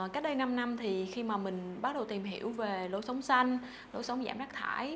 cách đây năm năm thì khi mà mình bắt đầu tìm hiểu về lối sống xanh lối sống giảm rác thải